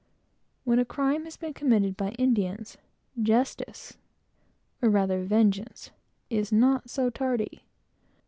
When a crime has been committed by Indians, justice, or rather vengeance, is not so tardy.